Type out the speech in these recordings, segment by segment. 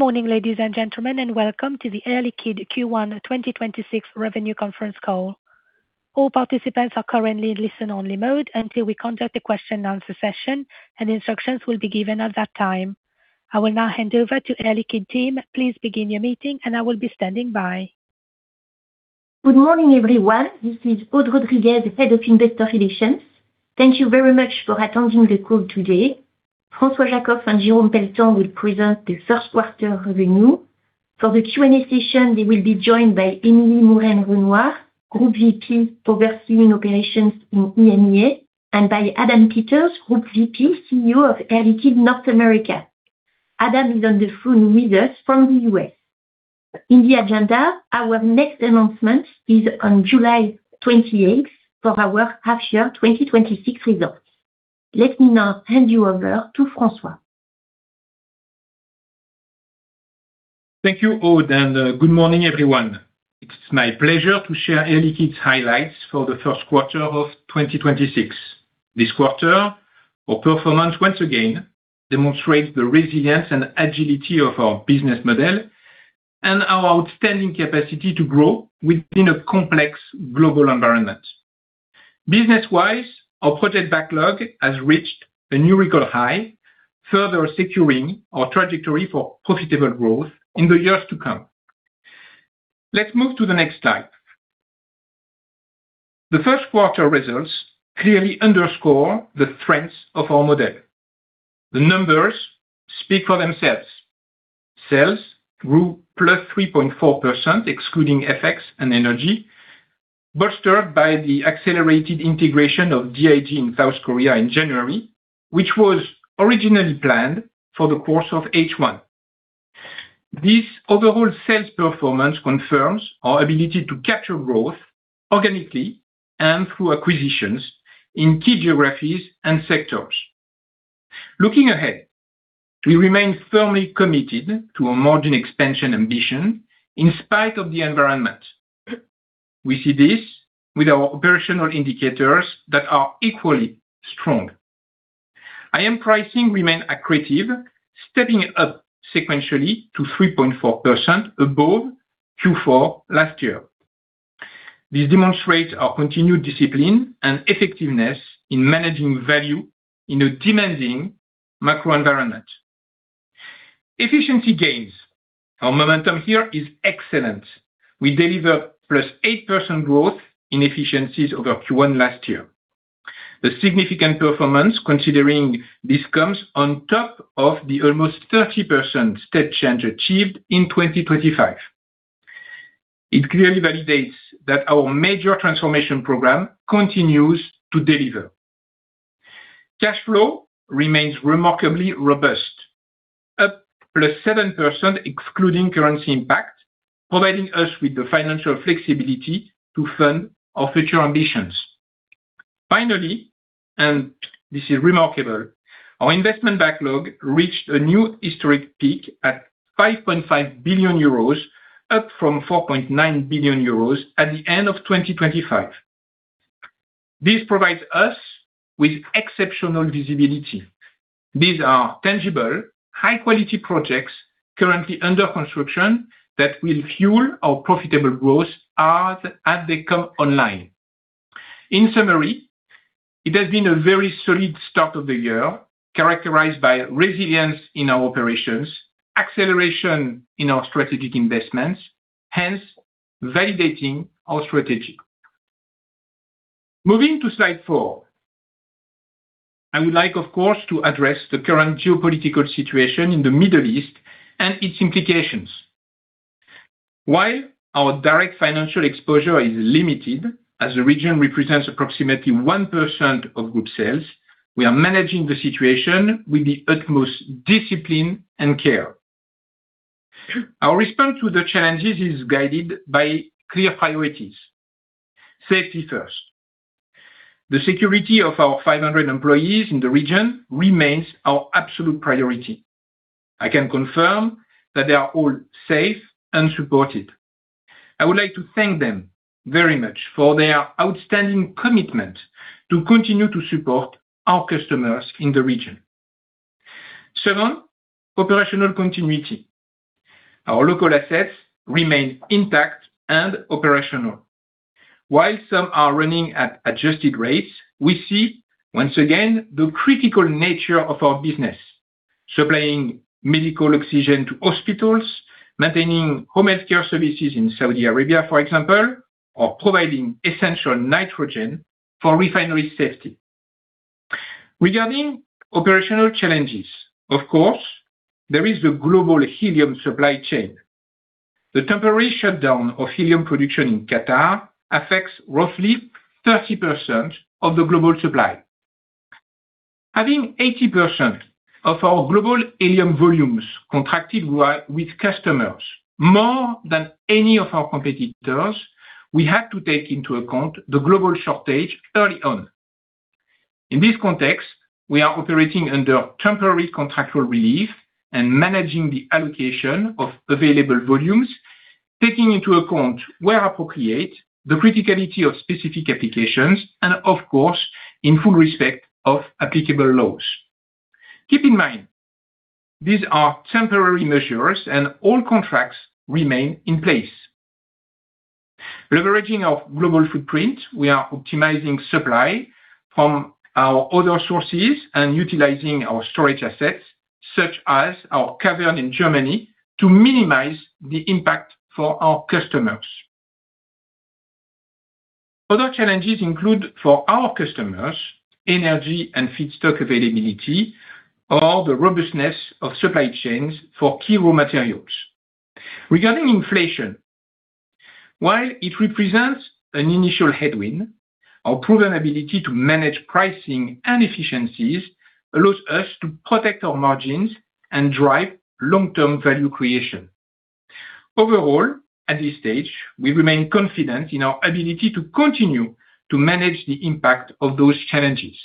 Good morning, ladies and gentlemen, and welcome to the Air Liquide Q1 2026 revenue conference call. All participants are currently in listen-only mode until we conduct a question and answer session, and instructions will be given at that time. I will now hand over to Air Liquide team. Please begin your meeting, and I will be standing by. Good morning, everyone. This is Aude Rodriguez, Head of Investor Relations. Thank you very much for attending the call today. François Jackow and Jérôme Pelletan will present the Q1 review. For the Q&A session, they will be joined by Emilie Mouren-Renouard, Group VP for Pursuing Operations in EMEA, and by Adam Peters, Group VP, CEO of Air Liquide North America. Adam is on the phone with us from the U.S. In the agenda, our next announcement is on July 28th for our half-year 2026 results. Let me now hand you over to François Jackow. Thank you, Aude, and good morning, everyone. It's my pleasure to share Air Liquide's highlights for the Q1 of 2026. This quarter, our performance once again demonstrates the resilience and agility of our business model and our outstanding capacity to grow within a complex global environment. Business-wise, our project backlog has reached a new record high, further securing our trajectory for profitable growth in the years to come. Let's move to the next slide. The Q1 results clearly underscore the strengths of our model. The numbers speak for themselves. Sales grew +3.4% excluding FX and energy, bolstered by the accelerated integration of DIG in South Korea in January, which was originally planned for the course of H1. This overall sales performance confirms our ability to capture growth organically and through acquisitions in key geographies and sectors. Looking ahead, we remain firmly committed to our margin expansion ambition in spite of the environment. We see this with our operational indicators that are equally strong. IM pricing remained accretive, stepping up sequentially to 3.4% above Q4 last year. This demonstrates our continued discipline and effectiveness in managing value in a demanding macro environment. Efficiency gains. Our momentum here is excellent. We deliver +8% growth in efficiencies over Q1 last year. This significant performance, considering this comes on top of the almost 30% step change achieved in 2025. It clearly validates that our major transformation program continues to deliver. Cash flow remains remarkably robust. Up +7% excluding currency impact, providing us with the financial flexibility to fund our future ambitions. Finally, this is remarkable, our investment backlog reached a new historic peak at 5.5 billion euros, up from 4.9 billion euros at the end of 2025. This provides us with exceptional visibility. These are tangible, high quality projects currently under construction that will fuel our profitable growth as they come online. In summary, it has been a very solid start of the year, characterized by resilience in our operations, acceleration in our strategic investments, hence validating our strategy. Moving to slide four. I would like, of course, to address the current geopolitical situation in the Middle East and its implications. While our direct financial exposure is limited, as the region represents approximately 1% of group sales, we are managing the situation with the utmost discipline and care. Our response to the challenges is guided by clear priorities. Safety first. The security of our 500 employees in the region remains our absolute priority. I can confirm that they are all safe and supported. I would like to thank them very much for their outstanding commitment to continue to support our customers in the region. Seven, operational continuity. Our local assets remain intact and operational. While some are running at adjusted rates, we see once again the critical nature of our business. Supplying medical oxygen to hospitals, maintaining home healthcare services in Saudi Arabia, for example, or providing essential nitrogen for refinery safety. Regarding operational challenges, of course, there is the global helium supply chain. The temporary shutdown of helium production in Qatar affects roughly 30% of the global supply. Having 80% of our global helium volumes contracted with customers, more than any of our competitors, we had to take into account the global shortage early on. In this context, we are operating under temporary contractual relief and managing the allocation of available volumes. Taking into account where appropriate, the criticality of specific applications, and of course, in full respect of applicable laws. Keep in mind, these are temporary measures and all contracts remain in place. Leveraging our global footprint, we are optimizing supply from our other sources and utilizing our storage assets, such as our cavern in Germany, to minimize the impact for our customers. Other challenges include, for our customers, energy and feedstock availability or the robustness of supply chains for key raw materials. Regarding inflation, while it represents an initial headwind, our proven ability to manage pricing and efficiencies allows us to protect our margins and drive long-term value creation. Overall, at this stage, we remain confident in our ability to continue to manage the impact of those challenges.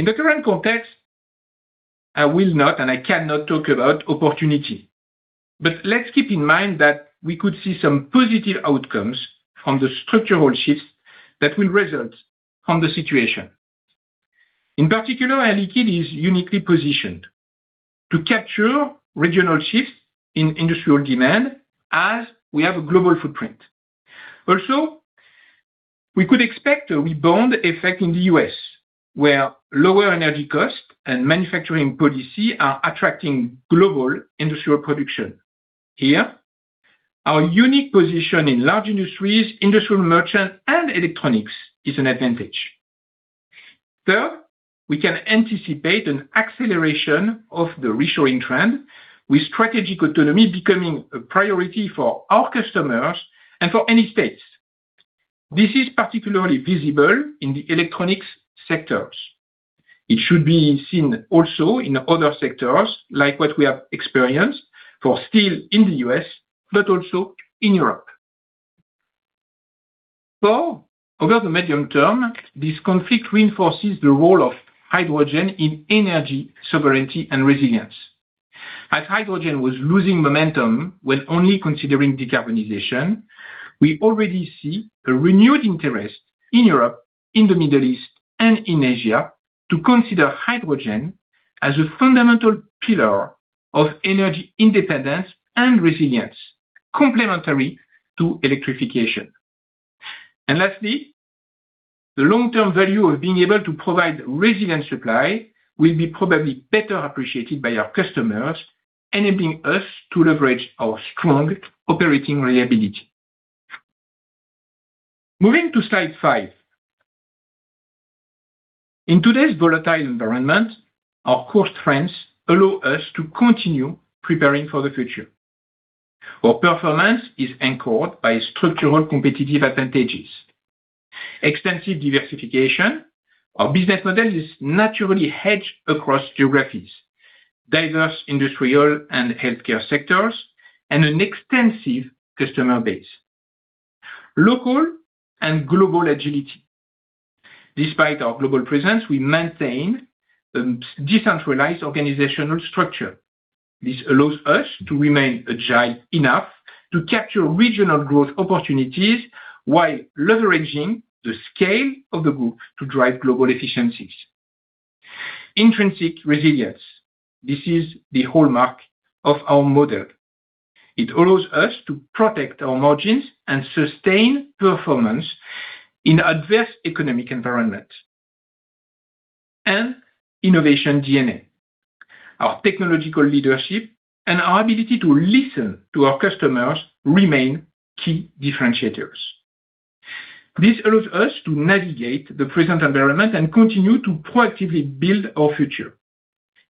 In the current context, I will not, and I cannot talk about opportunity. Let's keep in mind that we could see some positive outcomes from the structural shifts that will result from the situation. In particular, Air Liquide is uniquely positioned to capture regional shifts in industrial demand as we have a global footprint. Also, we could expect a rebound effect in the U.S., where lower energy costs and manufacturing policy are attracting global industrial production. Here, our unique position in Large Industry, Industrial Merchant, and Electronics is an advantage. Third, we can anticipate an acceleration of the reshoring trend, with strategic autonomy becoming a priority for our customers and for any states. This is particularly visible in the Electronics sectors. It should be seen also in other sectors, like what we have experienced for steel in the U.S., but also in Europe. Four, over the medium term, this conflict reinforces the role of hydrogen in energy sovereignty and resilience. As hydrogen was losing momentum when only considering decarbonization, we already see a renewed interest in Europe, in the Middle East, and in Asia to consider hydrogen as a fundamental pillar of energy independence and resilience, complementary to electrification. Lastly, the long-term value of being able to provide resilient supply will be probably better appreciated by our customers, enabling us to leverage our strong operating reliability. Moving to slide five. In today's volatile environment, our core strengths allow us to continue preparing for the future. Our performance is anchored by structural competitive advantages. Extensive diversification. Our business model is naturally hedged across geographies, diverse industrial and healthcare sectors, and an extensive customer base. Local and global agility. Despite our global presence, we maintain a decentralized organizational structure. This allows us to remain agile enough to capture regional growth opportunities while leveraging the scale of the group to drive global efficiencies. Intrinsic resilience. This is the hallmark of our model. It allows us to protect our margins and sustain performance in an adverse economic environment. Innovation DNA. Our technological leadership and our ability to listen to our customers remain key differentiators. This allows us to navigate the present environment and continue to proactively build our future.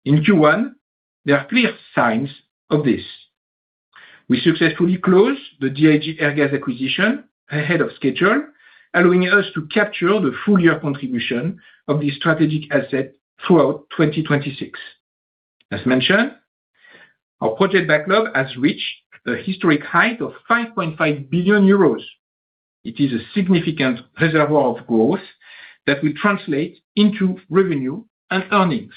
In Q1, there are clear signs of this. We successfully closed the DIG Airgas acquisition ahead of schedule, allowing us to capture the full year contribution of this strategic asset throughout 2026. As mentioned, our project backlog has reached a historic height of 5.5 billion euros. It is a significant reservoir of growth that will translate into revenue and earnings.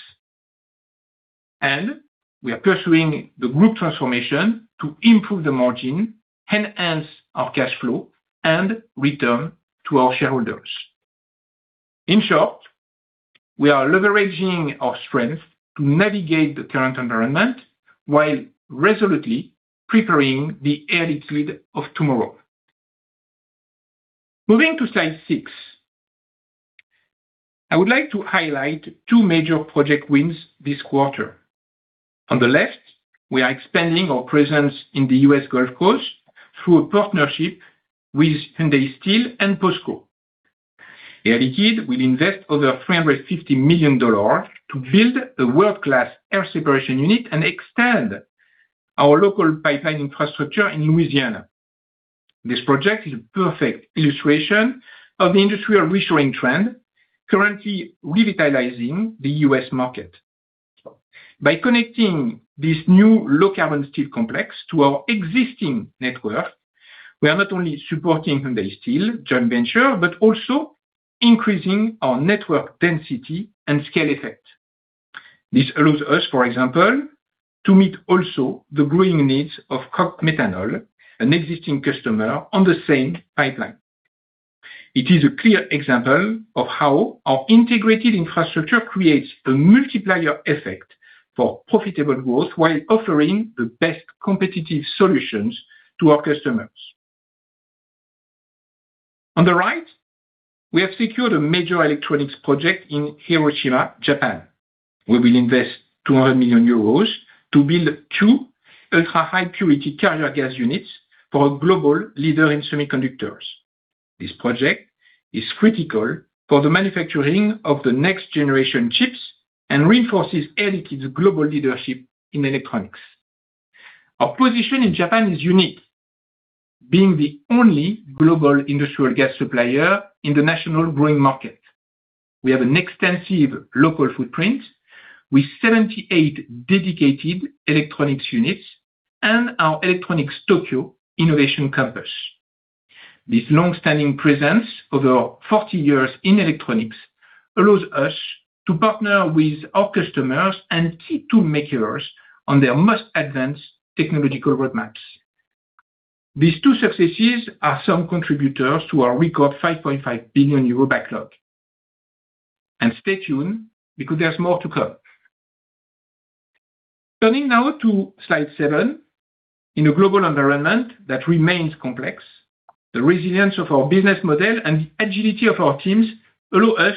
We are pursuing the group transformation to improve the margin, enhance our cash flow, and return to our shareholders. In short, we are leveraging our strength to navigate the current environment while resolutely preparing the Air Liquide of tomorrow. Moving to slide six. I would like to highlight two major project wins this quarter. On the left, we are expanding our presence in the U.S. Gulf Coast through a partnership with Hyundai Steel and POSCO. Air Liquide will invest over $350 million to build a world-class air separation unit and extend our local pipeline infrastructure in Louisiana. This project is a perfect illustration of the industrial reshoring trend currently revitalizing the U.S. market. By connecting this new low carbon steel complex to our existing network, we are not only supporting Hyundai Steel joint venture, but also increasing our network density and scale effect. This allows us, for example, to meet also the growing needs of Koch Methanol, an existing customer on the same pipeline. It is a clear example of how our integrated infrastructure creates a multiplier effect for profitable growth while offering the best competitive solutions to our customers. On the right, we have secured a major electronics project in Hiroshima, Japan. We will invest 200 million euros to build two ultra-high purity carrier gas units for a global leader in semiconductors. This project is critical for the manufacturing of the next generation chips and reinforces Air Liquide's global leadership in electronics. Our position in Japan is unique, being the only global industrial gas supplier in the national growing market. We have an extensive local footprint with 78 dedicated electronics units and our Electronics Tokyo Innovation Campus. This long-standing presence over 40 years in electronics allows us to partner with our customers and key tool makers on their most advanced technological roadmaps. These two successes are some contributors to our record 5.5 billion euro backlog. Stay tuned because there's more to come. Turning now to slide seven. In a global environment that remains complex, the resilience of our business model and the agility of our teams allow us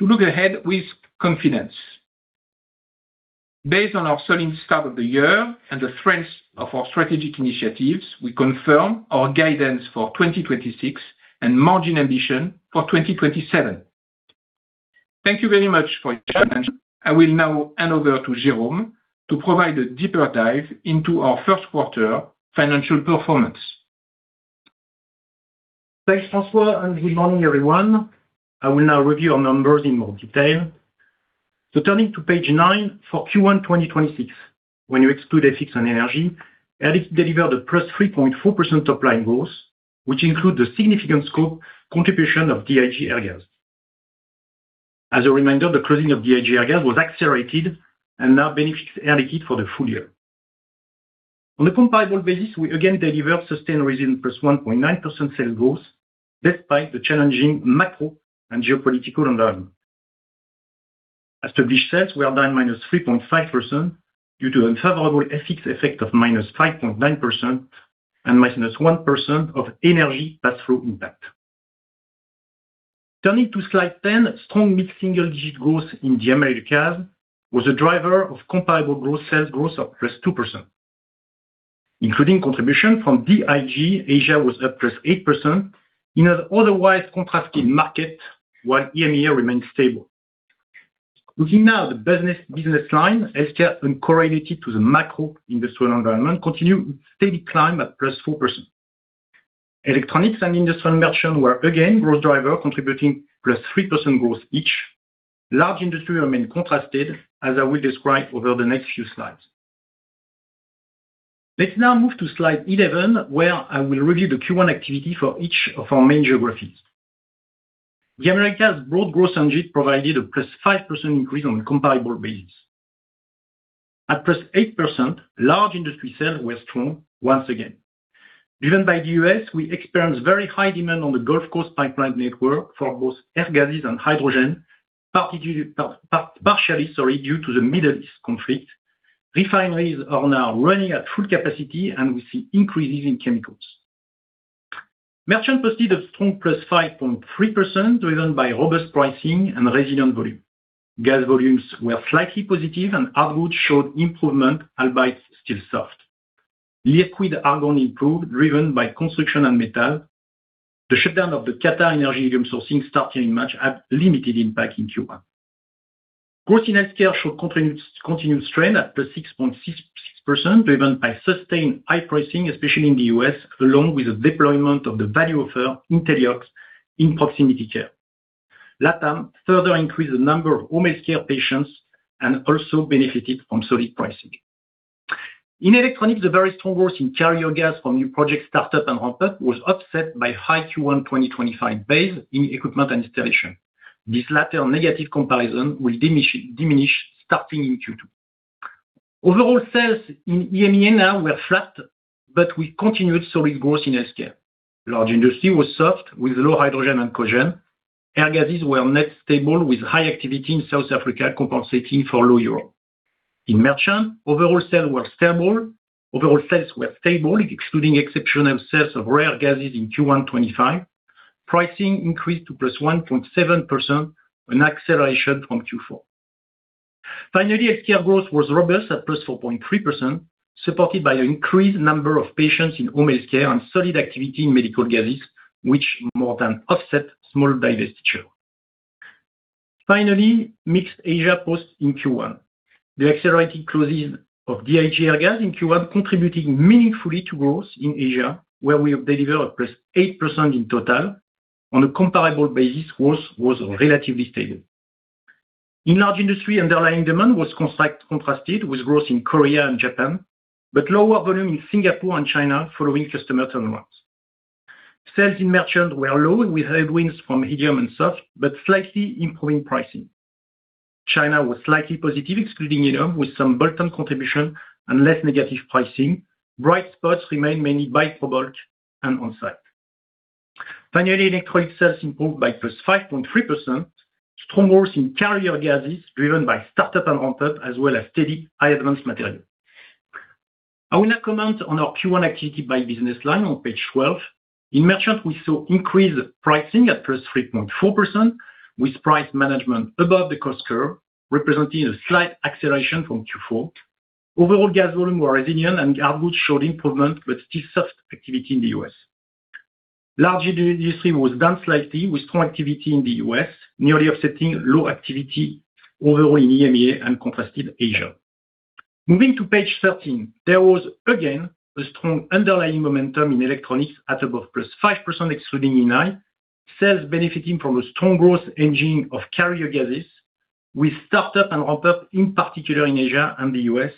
to look ahead with confidence. Based on our selling start of the year and the strength of our strategic initiatives, we confirm our guidance for 2026 and margin ambition for 2027. Thank you very much for your attention. I will now hand over to Jérôme to provide a deeper dive into our Q1 financial performance. Thanks, François, and good morning, everyone. I will now review our numbers in more detail. Turning to page nine for Q1 2026. When you exclude FX and Energy, Air Liquide delivered a +3.4% top-line growth, which include the significant scope contribution of DIG Airgas. As a reminder, the closing of DIG Airgas was accelerated and now benefits Air Liquide for the full year. On a comparable basis, we again deliver sustained resilient +1.9% sales growth despite the challenging macro and geopolitical environment. Established sales were down -3.5% due to unfavorable FX effect of -5.9% and -1% of energy pass-through impact. Turning to slide 10, strong mid-single-digit growth in the Americas was a driver of comparable growth, sales growth of +2%. Including contribution from DIG, Asia was up +8% in an otherwise contrasting market, while EMEA remained stable. Looking now at the business line, Healthcare uncorrelated to the macro industrial environment, continued steady climb at +4%. Electronics and Industrial Merchant were again growth driver, contributing +3% growth each. Large Industry remain contrasted, as I will describe over the next few slides. Let's now move to slide 11, where I will review the Q1 activity for each of our main geographies. The Americas broad growth engine provided a +5% increase on a comparable basis. At +8%, large industry sales were strong once again. Driven by the U.S., we experienced very high demand on the Gulf Coast pipeline network for both air gases and hydrogen, partially, sorry, due to the Middle East conflict. Refineries are now running at full capacity, and we see increases in chemicals. Merchant posted a strong +5.3%, driven by robust pricing and resilient volume. Gas volumes were slightly positive, and outboard showed improvement, albeit still soft. Liquid argon improved, driven by construction and metal. The shutdown of the QatarEnergy helium sourcing starting in March had limited impact in Q1. Growth in Healthcare showed continuous trend at +6.66%, driven by sustained high pricing, especially in the U.S., along with the deployment of the value offer, INTELLI-OX in proximity care. LATAM further increased the number of home healthcare patients and also benefited from solid pricing. In Electronics, the very strong growth in carrier gas from new project startup and ramp-up was offset by high Q1 2025 base in Equipment & Installation. This latter negative comparison will diminish starting in Q2. Overall sales in EMEA now were flat, but we continued solid growth in Healthcare. Large Industry was soft with low hydrogen and cogen. Air gases were net stable with high activity in South Africa compensating for low Europe. In Merchant, overall sales were stable, excluding exceptional sales of rare gases in Q1 2025. Pricing increased to +1.7%, an acceleration from Q4. Finally, Healthcare growth was robust at +4.3%, supported by an increased number of patients in home healthcare and solid activity in medical gases, which more than offset small divestiture. Finally, mixed Asia Pacific in Q1. The accelerated closing of DIG Airgas in Q1 contributing meaningfully to growth in Asia, where we have delivered +8% in total. On a comparable basis, growth was relatively stable. In Large Industry, underlying demand was contrasted with growth in Korea and Japan, but lower volume in Singapore and China following customer turnarounds. Sales in Merchant were low with headwinds from helium and soft, but slightly improving pricing. China was slightly positive, excluding helium, with some bolt-on contribution and less negative pricing. Bright spots remain mainly in bulk and on-site. Finally, Electronics sales improved by +5.3%. Strong growth in carrier gases driven by startup and ramp-up, as well as steady high advanced material. I will now comment on our Q1 activity by business line on page 12. In Merchant, we saw increased pricing at +3.4% with price management above the cost curve, representing a slight acceleration from Q4. Overall gas volume were resilient and output showed improvement but still soft activity in the U.S. Large Industry was down slightly with strong activity in the U.S., nearly offsetting low activity overall in EMEA and contrasted Asia. Moving to page 13. There was again a strong underlying momentum in Electronics at above +5% excluding E&I. Sales benefiting from a strong growth engine of carrier gases with startup and ramp up, in particular in Asia and the U.S.,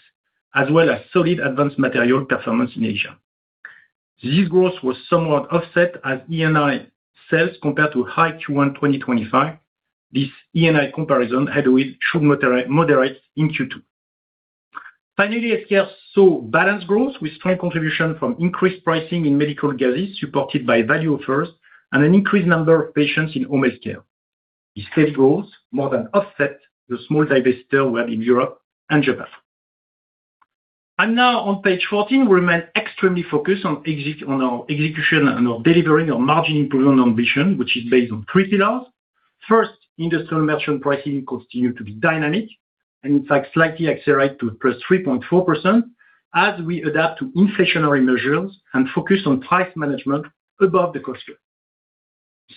as well as solid advanced material performance in Asia. This growth was somewhat offset, as E&I sales compared to high Q1 2025. This E&I comparison, however, should moderate in Q2. Finally, Healthcare saw balanced growth with strong contribution from increased pricing in medical gases, supported by value offers and an increased number of patients in home healthcare. This sales growth more than offset the small divestiture we had in Europe and Japan. Now on page 14, we remain extremely focused on our execution and on delivering our margin improvement ambition, which is based on three pillars. First, Industrial Merchant pricing continue to be dynamic and in fact slightly accelerate to +3.4% as we adapt to inflationary measures and focus on price management above the cost curve.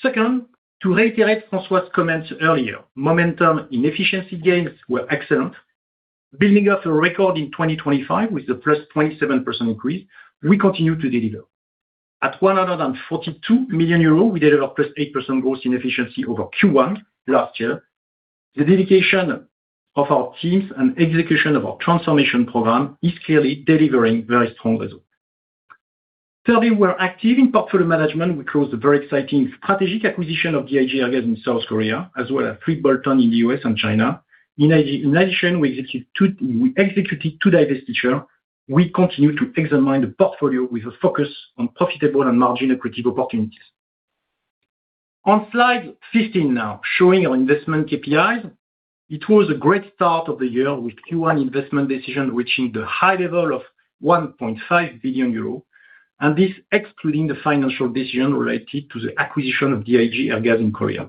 Second, to reiterate François's comments earlier, momentum in efficiency gains were excellent. Building off a record in 2025 with a +27% increase, we continue to deliver. At 142 million euros, we delivered +8% growth in efficiency over Q1 last year. The dedication of our teams and execution of our transformation program is clearly delivering very strong results. Third, we're active in portfolio management, which closed a very exciting strategic acquisition of DIG Airgas in South Korea, as well as three bolt-ons in the U.S. and China. In addition, we executed two divestitures. We continue to examine the portfolio with a focus on profitable and margin accretive opportunities. On slide 15 now, showing our investment KPIs. It was a great start of the year with Q1 investment decision reaching the high level of 1.5 billion euro, and this excluding the financial decision related to the acquisition of DIG Airgas in Korea.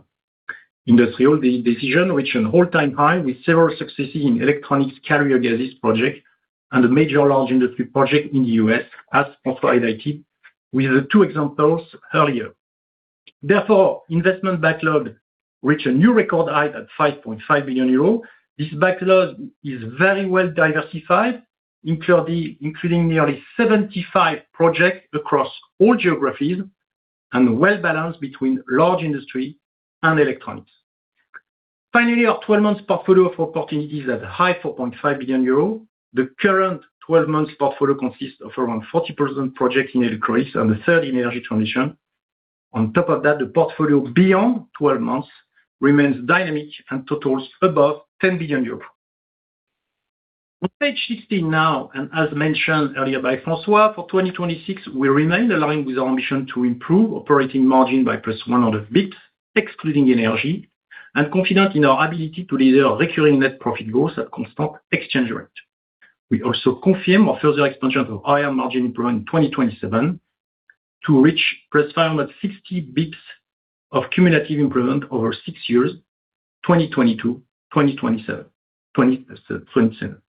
Industrially, the decision reached an all-time high with several successes in electronics carrier gases project and a major large industry project in the U.S., as François highlighted with the two examples earlier. Therefore, investment backlog reached a new record high at 5.5 billion euros. This backlog is very well diversified, including nearly 75 projects across all geographies and well balanced between Large Industry and Electronics. Finally, our 12 months portfolio of opportunities at a high 4.5 billion euro. The current 12 months portfolio consists of around 40% projects in Electronics and a third in energy transition. On top of that, the portfolio beyond 12 months remains dynamic and totals above 10 billion euros. On page 16 now, as mentioned earlier by François Jackow, for 2026, we remain aligned with our ambition to improve operating margin by +100 basis points, excluding energy, and confident in our ability to deliver recurring net profit growth at constant exchange rate. We also confirm our further expansion of higher margin improvement in 2027 to reach +560 basis points of cumulative improvement over six years, 2022-2027. 2027.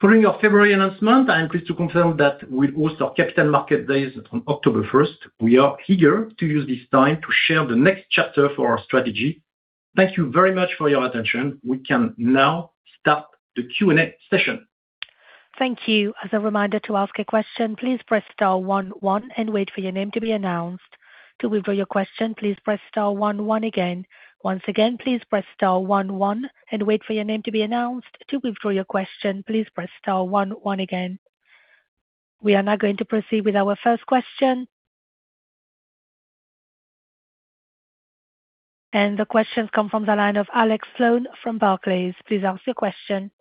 Following our February announcement, I am pleased to confirm that we'll host our Capital Market Days on October 1st. We are eager to use this time to share the next chapter for our strategy. Thank you very much for your attention. We can now start the Q&A session. Thank you. As a reminder, to ask a question, please press star one one and wait for your name to be announced. To withdraw your question, please press star one one again. Once again, please press star one one and wait for your name to be announced. To withdraw your question, please press star one one again. We are now going to proceed with our first question. The question comes from the line of Alex Paterson from Barclays. Please ask your question.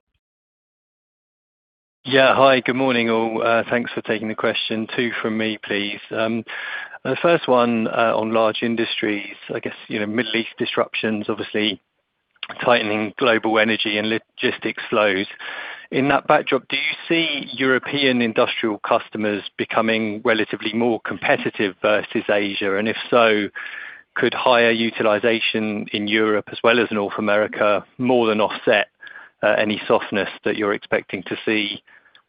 Yeah. Hi. Good morning, all. Thanks for taking the question. Two from me, please. The first one, on Large Industry, I guess, you know, Middle East disruptions, obviously tightening global energy and logistics flows. In that backdrop, do you see European industrial customers becoming relatively more competitive versus Asia? And if so, could higher utilization in Europe as well as North America more than offset any softness that you're expecting to see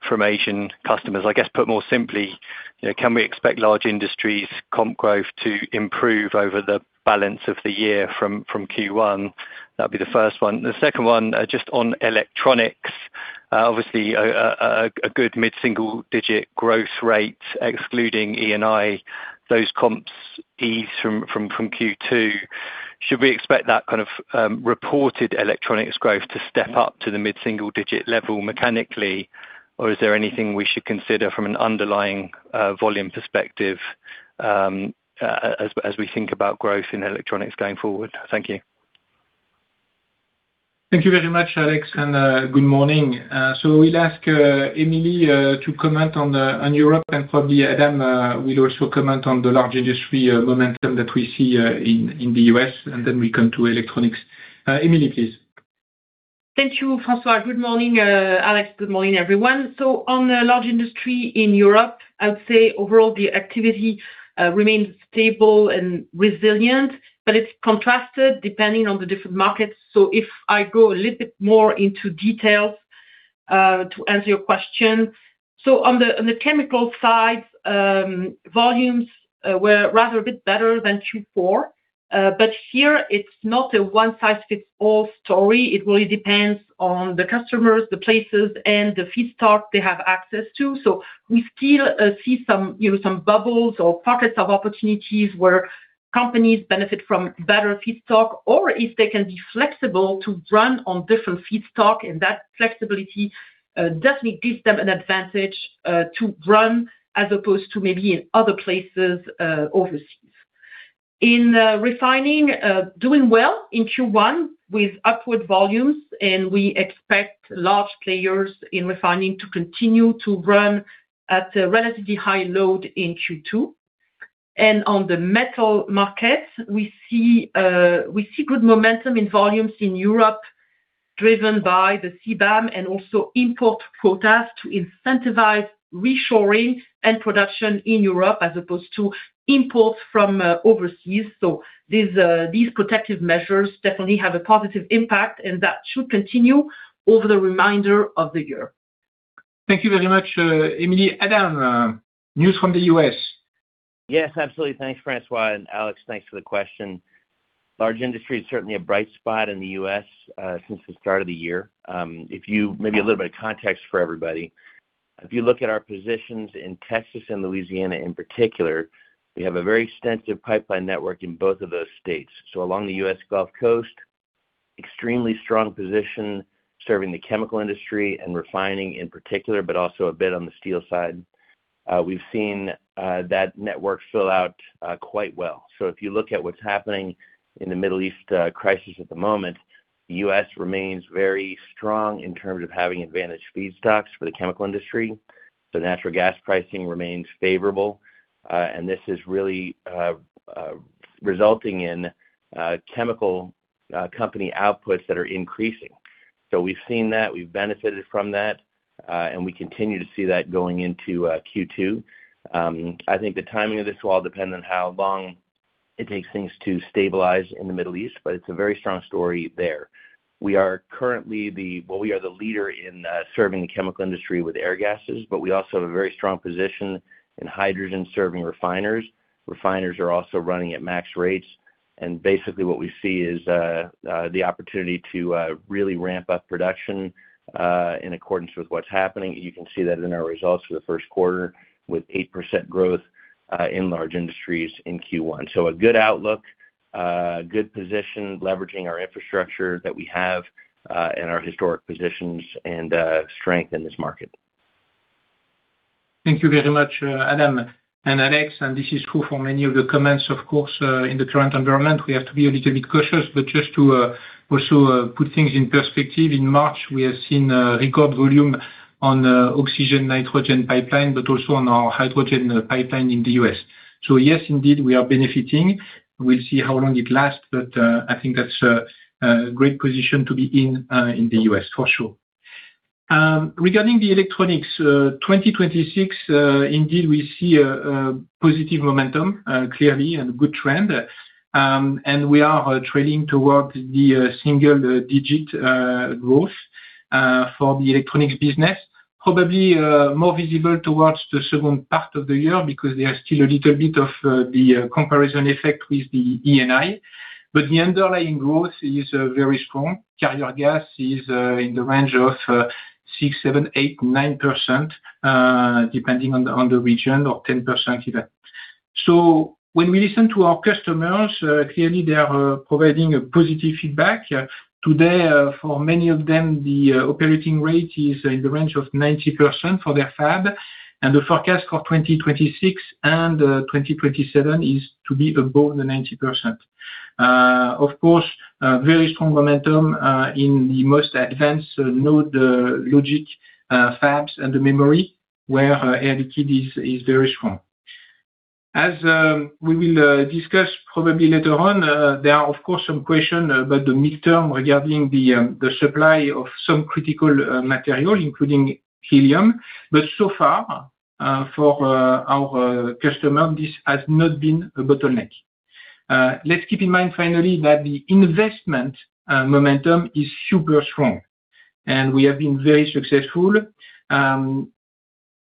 from Asian customers? I guess, put more simply, you know, can we expect Large Industry comp growth to improve over the balance of the year from Q1? That'd be the first one. The second one, just on Electronics. Obviously, a good mid-single digit growth rate excluding E&I. Those comps ease from Q2. Should we expect that kind of reported Electronics growth to step up to the mid-single digit level mechanically, or is there anything we should consider from an underlying volume perspective, as we think about growth in Electronics going forward? Thank you. Thank you very much, Alex, and good morning. We'll ask Emilie to comment on Europe, and probably Adam will also comment on the Large Industry momentum that we see in the U.S., and then we come to Electronics. Emilie, please. Thank you, François. Good morning, Alex. Good morning, everyone. On the Large Industry in Europe, I would say overall, the activity remains stable and resilient, but it's contrasted depending on the different markets. If I go a little bit more into details to answer your question. On the chemical side, volumes were rather a bit better than Q4. Here, it's not a one-size-fits-all story. It really depends on the customers, the places, and the feedstock they have access to. We still see some, you know, some bubbles or pockets of opportunities where companies benefit from better feedstock or if they can be flexible to run on different feedstock. That flexibility definitely gives them an advantage to run as opposed to maybe in other places overseas. In refining, doing well in Q1 with upward volumes, and we expect large players in refining to continue to run at a relatively high load in Q2. On the metal markets, we see good momentum in volumes in Europe, driven by the CBAM and also import quotas to incentivize reshoring and production in Europe as opposed to imports from overseas. These protective measures definitely have a positive impact, and that should continue over the remainder of the year. Thank you very much, Emilie. Adam, news from the U.S. Yes, absolutely. Thanks, François. Alex, thanks for the question. Large Industry is certainly a bright spot in the U.S., since the start of the year. Maybe a little bit of context for everybody. If you look at our positions in Texas and Louisiana in particular, we have a very extensive pipeline network in both of those states. Along the U.S. Gulf Coast, extremely strong position serving the chemical industry and refining in particular, but also a bit on the steel side. We've seen that network fill out quite well. If you look at what's happening in the Middle East crisis at the moment, the U.S. remains very strong in terms of having advantageous feedstocks for the chemical industry. The natural gas pricing remains favorable, and this is really resulting in chemical company outputs that are increasing. We've seen that, we've benefited from that, and we continue to see that going into Q2. I think the timing of this will all depend on how long it takes things to stabilize in the Middle East, but it's a very strong story there. We are the leader in serving the chemical industry with air gases, but we also have a very strong position in hydrogen serving refiners. Refiners are also running at max rates. Basically what we see is the opportunity to really ramp up production in accordance with what's happening. You can see that in our results for the Q1 with 8% growth in Large Industry in Q1. A good outlook, good position, leveraging our infrastructure that we have, and our historic positions and strength in this market. Thank you very much, Adam and Alex. This is true for many of the comments, of course, in the current environment, we have to be a little bit cautious. Just to also put things in perspective, in March, we have seen record volume on oxygen, nitrogen pipeline, but also on our hydrogen pipeline in the U.S. Yes, indeed, we are benefiting. We'll see how long it lasts, but I think that's a great position to be in in the U.S. for sure. Regarding the Electronics, 2026, indeed, we see a positive momentum clearly and good trend. We are trending towards the single-digit growth for the Electronics business. Probably more visible towards the second part of the year because there are still a little bit of the comparison effect with the E&I. The underlying growth is very strong. Carrier gas is in the range of 6%-9%, depending on the region, or 10% even. When we listen to our customers, clearly they are providing a positive feedback. Today, for many of them, the operating rate is in the range of 90% for their fab, and the forecast for 2026 and 2027 is to be above the 90%. Of course, very strong momentum in the most advanced node logic fabs and the memory where Air Liquide is very strong. As we will discuss probably later on, there are, of course, some question about the midterm regarding the supply of some critical material, including helium. So far, for our customer, this has not been a bottleneck. Let's keep in mind finally that the investment momentum is super strong, and we have been very successful.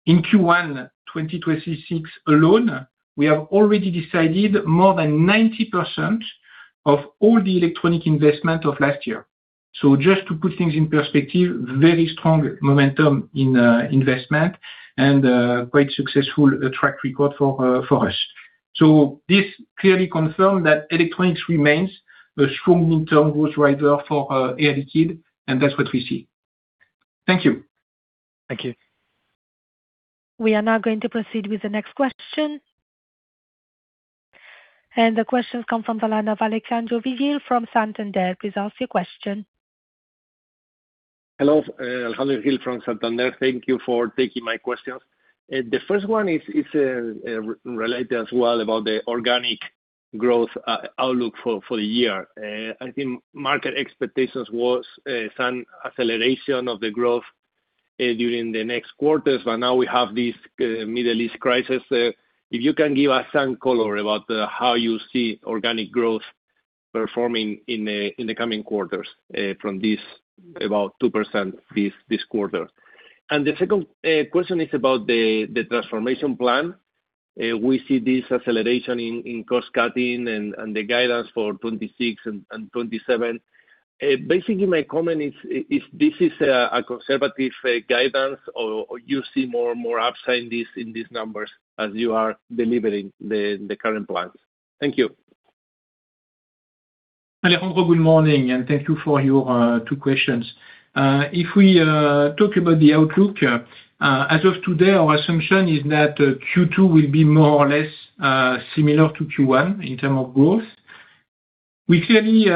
In Q1 2026 alone, we have already decided more than 90% of all the Electronics investment of last year. Just to put things in perspective, very strong momentum in investment and quite successful track record for us. This clearly confirms that Electronics remains a strong internal growth driver for Air Liquide, and that's what we see. Thank you. Thank you. We are now going to proceed with the next question. The question comes from the line of Alejandro Vigil from Santander. Please ask your question. Hello. Alejandro Vigil from Santander. Thank you for taking my questions. The first one is related as well about the organic growth outlook for the year. I think market expectations was some acceleration of the growth during the next quarters, but now we have this Middle East crisis. If you can give us some color about how you see organic growth performing in the coming quarters from this about 2% this quarter. The second question is about the transformation plan. We see this acceleration in cost cutting and the guidance for 2026 and 2027. Basically my comment is this is a conservative guidance or you see more and more upside in these numbers as you are delivering the current plans. Thank you. Alejandro, good morning, and thank you for your two questions. If we talk about the outlook, as of today, our assumption is that Q2 will be more or less similar to Q1 in terms of growth. We clearly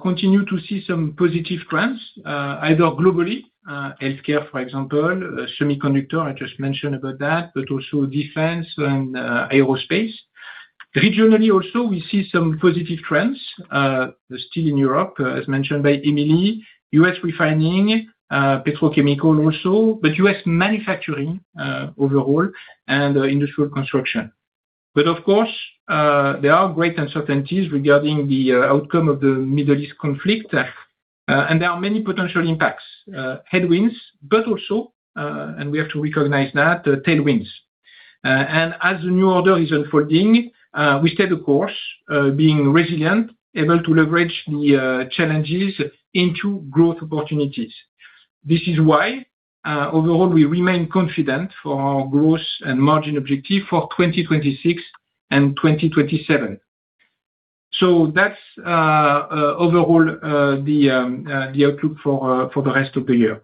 continue to see some positive trends either globally, Healthcare, for example, semiconductor, I just mentioned about that, but also defense and aerospace. Regionally also we see some positive trends still in Europe, as mentioned by Emilie, U.S. refining, petrochemical also, but U.S. manufacturing overall and industrial construction. Of course, there are great uncertainties regarding the outcome of the Middle East conflict. There are many potential impacts, headwinds, but also, and we have to recognize that tailwinds. As the new order is unfolding, we stay the course, being resilient, able to leverage the challenges into growth opportunities. This is why overall we remain confident for our growth and margin objective for 2026 and 2027. That's overall the outlook for the rest of the year.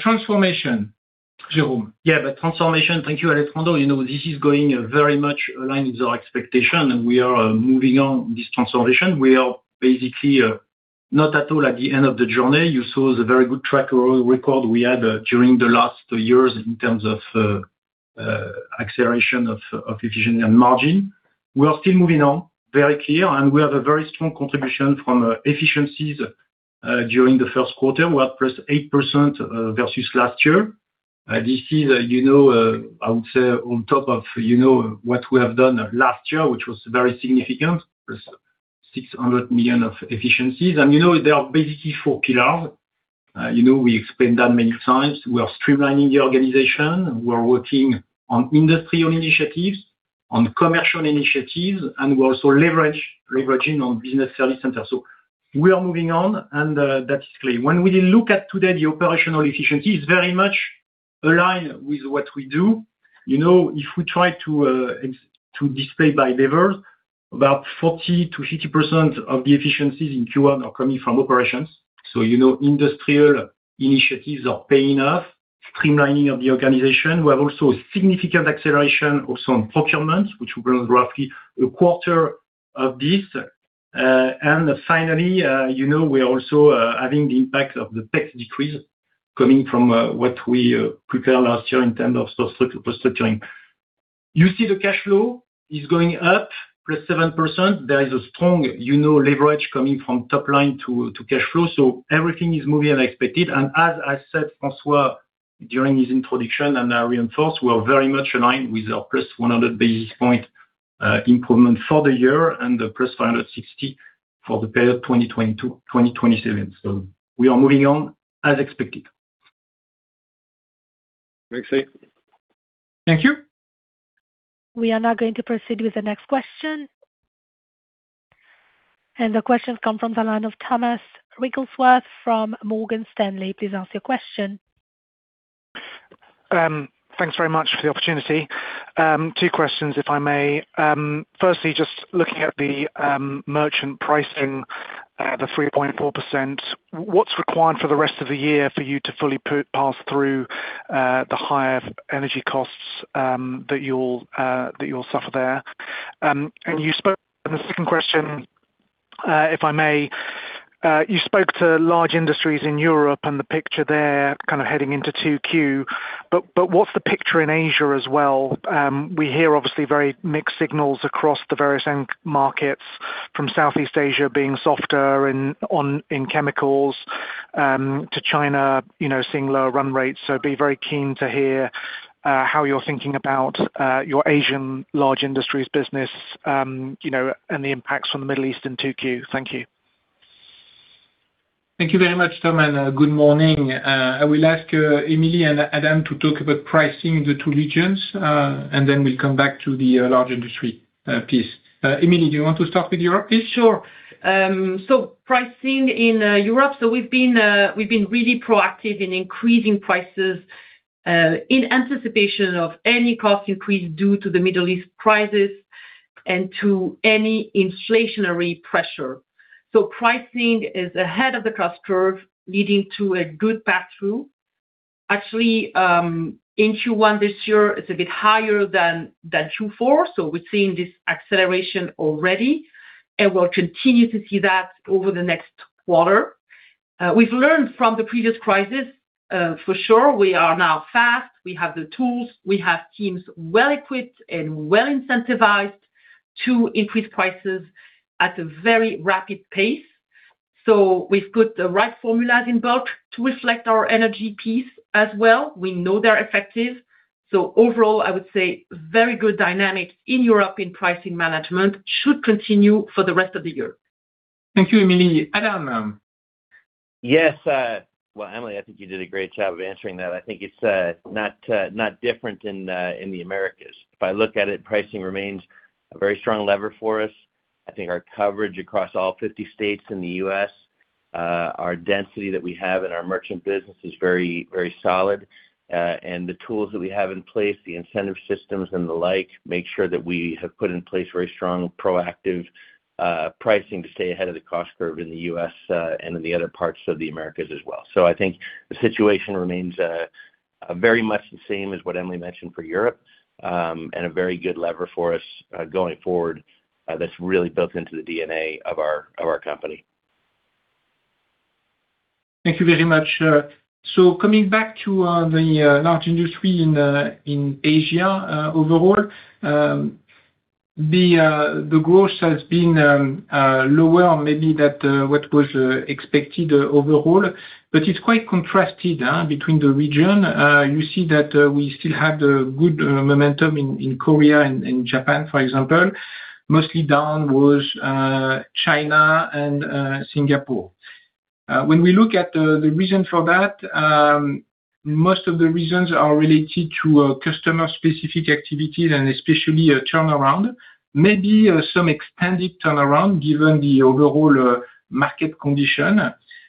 Transformation. Jérôme? Yeah, the transformation. Thank you, Alejandro. You know, this is going very much aligned with our expectation, and we are moving on this transformation. We are basically not at all at the end of the journey. You saw the very good track record we had during the last years in terms of acceleration of efficiency and margin. We are still moving on, very clear, and we have a very strong contribution from efficiencies during the Q1. We are at +8% versus last year. This is, you know, I would say on top of, you know, what we have done last year, which was very significant, +600 million of efficiencies. You know there are basically four pillars. You know, we explained that many times. We are streamlining the organization. We are working on industry initiatives, on commercial initiatives, and we're also leveraging on business service center. We are moving on and that is clear. When we look at today the operational efficiency is very much aligned with what we do. You know, if we try to display by lever, about 40%-50% of the efficiencies in Q1 are coming from operations. You know, industrial initiatives are paying off, streamlining of the organization. We have a significant acceleration on procurement, which will grow roughly a quarter of this. And finally, you know, we are also having the impact of the tax decrease coming from what we prepared last year in terms of post-structuring. You see the cash flow is going up +7%. There is a strong, you know, leverage coming from top line to cash flow. Everything is moving as expected. As I said, François, during his introduction, and I reinforce, we are very much aligned with our +100 basis points improvement for the year and the +560 for the period 2020-2027. We are moving on as expected. Merci. Thank you. We are now going to proceed with the next question. The question comes from the line of Thomas Wrigglesworth from Morgan Stanley. Please ask your question. Thanks very much for the opportunity. two questions, if I may. Firstly, just looking at the merchant pricing, the 3.4%, what's required for the rest of the year for you to fully pass through the higher energy costs that you'll suffer there? The second question, if I may, you spoke to large industries in Europe and the picture there kind of heading into 2Q. What's the picture in Asia as well? We hear obviously very mixed signals across the various end markets from Southeast Asia being softer in, on, in chemicals to China, you know, seeing lower run rates. Be very keen to hear how you're thinking about your Asian Large Industry business, you know, and the impacts from the Middle East in 2Q. Thank you. Thank you very much, Tom, and good morning. I will ask Emilie and Adam to talk about pricing in the two regions, and then we'll come back to the Large Industry piece. Emilie, do you want to start with Europe, please? Sure. Pricing in Europe. We've been really proactive in increasing prices. In anticipation of any cost increase due to the Middle East crisis and to any inflationary pressure. Pricing is ahead of the cost curve, leading to a good pass-through. Actually, Q1 this year is a bit higher than Q4. We're seeing this acceleration already, and we'll continue to see that over the next quarter. We've learned from the previous crisis. For sure, we are now fast. We have the tools. We have teams well-equipped and well-incentivized to increase prices at a very rapid pace. We've put the right formulas in bulk to reflect our energy piece as well. We know they're effective. Overall, I would say very good dynamics in Europe in pricing management should continue for the rest of the year. Thank you, Emilie. Adam? Yes. Well, Emilie, I think you did a great job of answering that. I think it's not different in the Americas. If I look at it, pricing remains a very strong lever for us. I think our coverage across all 50 states in the U.S., our density that we have in our merchant business is very, very solid. And the tools that we have in place, the incentive systems and the like, make sure that we have put in place very strong proactive pricing to stay ahead of the cost curve in the U.S., and in the other parts of the Americas as well. I think the situation remains very much the same as what Emilie mentioned for Europe, and a very good lever for us going forward. That's really built into the DNA of our company. Thank you very much. So coming back to the Large Industry in Asia overall, the growth has been lower, maybe than what was expected overall, but it's quite contrasted between the region. You see that we still had a good momentum in Korea and in Japan, for example. Mostly down was China and Singapore. When we look at the reason for that, most of the reasons are related to customer-specific activities and especially a turnaround, maybe some expanded turnaround given the overall market condition,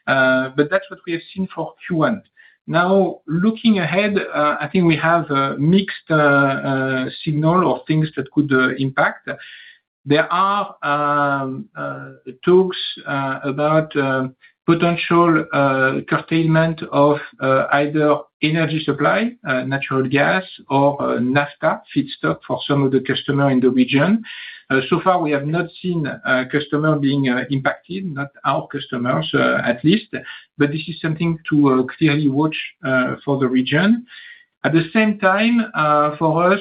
but that's what we have seen for Q1. Now, looking ahead, I think we have a mixed signal or things that could impact. There are talks about potential curtailment of either energy supply, natural gas or naphtha feedstock for some of the customers in the region. So far, we have not seen a customer being impacted, not our customers, at least. This is something to clearly watch for the region. At the same time, for us,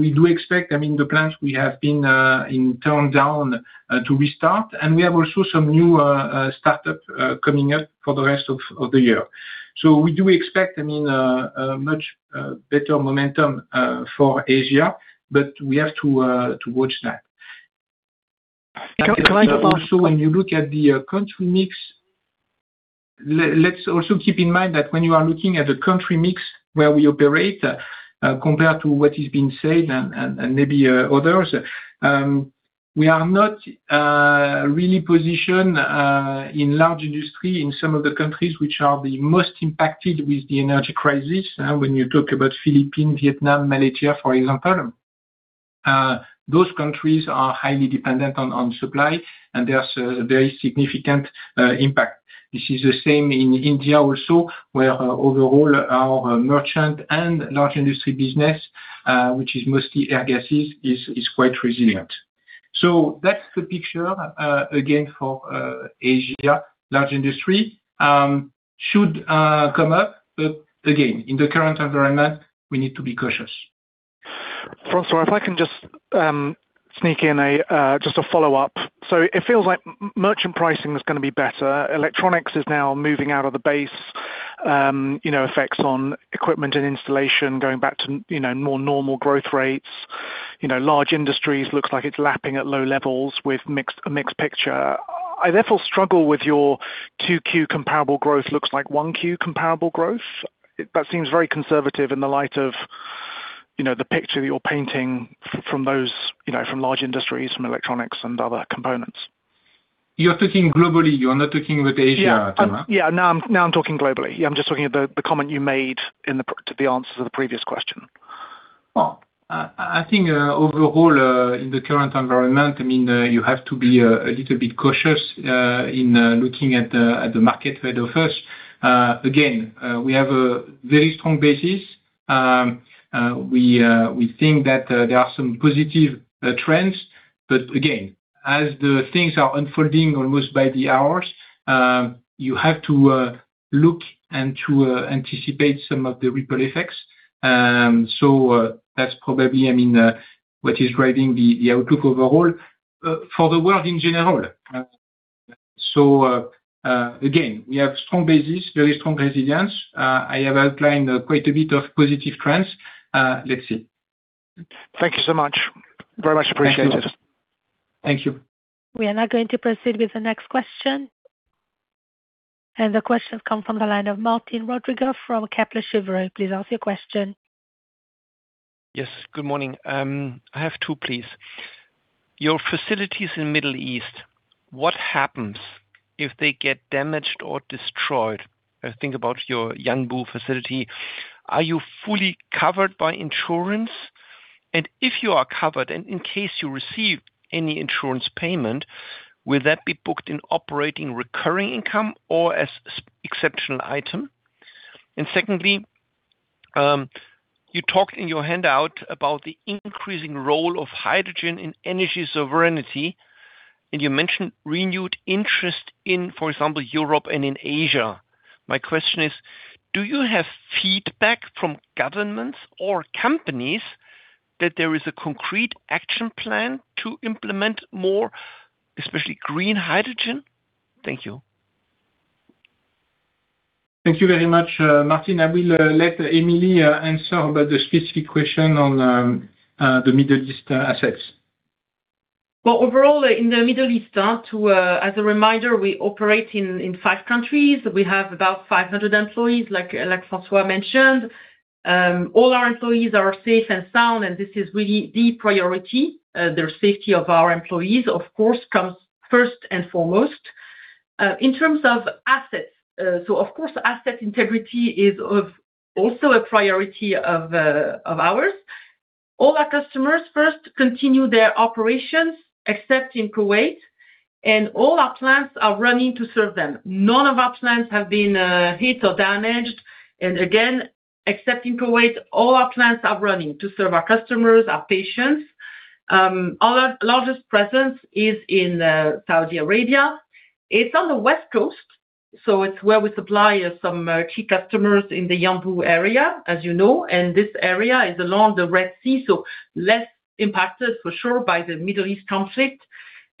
we do expect, I mean, the plants we have been in turndown to restart, and we have also some new startup coming up for the rest of the year. We do expect, I mean, a much better momentum for Asia, but we have to watch that. Can I just ask. When you look at the country mix, let's also keep in mind that when you are looking at the country mix where we operate, compared to what is being said and maybe others, we are not really positioned in Large Industry in some of the countries which are the most impacted with the energy crisis. When you talk about Philippines, Vietnam, Malaysia, for example, those countries are highly dependent on supply, and there's a very significant impact. This is the same in India also, where overall our merchant and Large Industry business, which is mostly air gases, is quite resilient. That's the picture, again, for Asia Large Industry. It should come up, but again, in the current environment, we need to be cautious. François, if I can just sneak in a just a follow-up. It feels like merchant pricing is gonna be better. Electronics is now moving out of the base, you know, effects on equipment and installation going back to, you know, more normal growth rates. You know, Large Industries looks like it's lapping at low levels with mixed picture. I therefore struggle with your 2Q comparable growth. Looks like 1Q comparable growth. That seems very conservative in the light of, you know, the picture you're painting from those, you know, from Large Industries, from Electronics and other components. You're talking globally. You are not talking about Asia, Thomas. Yeah. Yeah. Now I'm talking globally. I'm just talking about the comment you made to the answer to the previous question. I think overall in the current environment, I mean, you have to be a little bit cautious in looking at the market ahead of us. Again, we have a very strong basis. We think that there are some positive trends, but again, as the things are unfolding almost by the hours, you have to look and to anticipate some of the ripple effects. That's probably, I mean, what is driving the outlook overall for the world in general. Again, we have strong basis, very strong resilience. I have outlined quite a bit of positive trends. Let's see. Thank you so much. Very much appreciated. Thank you. We are now going to proceed with the next question. The question comes from the line of Martin Roediger from Kepler Cheuvreux. Please ask your question. Yes. Good morning. I have two, please. Your facilities in Middle East, what happens if they get damaged or destroyed? I think about your Yanbu facility. Are you fully covered by insurance? And if you are covered, and in case you receive any insurance payment, will that be booked in operating recurring income or as an exceptional item? And secondly, you talked in your handout about the increasing role of hydrogen in energy sovereignty, and you mentioned renewed interest in, for example, Europe and in Asia. My question is, do you have feedback from governments or companies that there is a concrete action plan to implement more, especially green hydrogen? Thank you. Thank you very much, Martin. I will let Emilie answer about the specific question on the Middle East assets. Well, overall in the Middle East. As a reminder, we operate in five countries. We have about 500 employees, like François mentioned. All our employees are safe and sound, and this is really the priority. The safety of our employees, of course, comes first and foremost. In terms of assets, of course, asset integrity is also a priority of ours. All our customers continue their operations, except in Kuwait, and all our plants are running to serve them. None of our plants have been hit or damaged. Again, except in Kuwait, all our plants are running to serve our customers, our patients. Our largest presence is in Saudi Arabia. It's on the West Coast, so it's where we supply some key customers in the Yanbu area, as you know. This area is along the Red Sea, so less impacted for sure by the Middle East conflict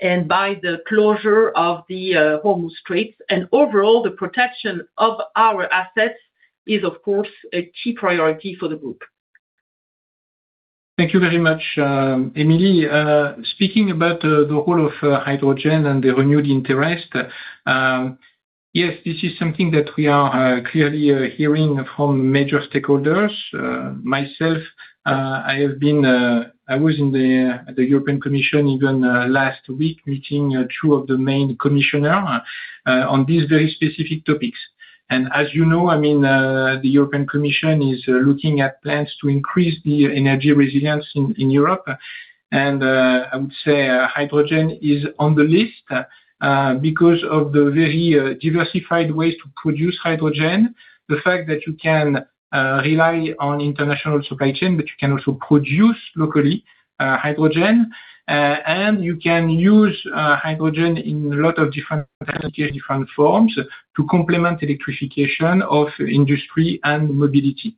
and by the closure of the Hormuz Straits. Overall, the protection of our assets is, of course, a key priority for the group. Thank you very much, Emilie. Speaking about the role of hydrogen and the renewed interest, yes, this is something that we are clearly hearing from major stakeholders. Myself, I was in the European Commission even last week, meeting two of the main commissioners on these very specific topics. As you know, I mean, the European Commission is looking at plans to increase the energy resilience in Europe. I would say hydrogen is on the list because of the very diversified ways to produce hydrogen. The fact that you can rely on international supply chain, but you can also produce locally hydrogen. You can use hydrogen in a lot of different energy and different forms to complement electrification of industry and mobility.